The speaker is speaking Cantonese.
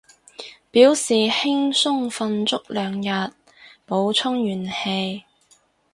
表示輕鬆瞓足兩日，補充元氣